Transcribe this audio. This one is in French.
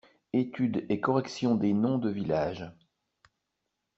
Étude et correction des noms de villages.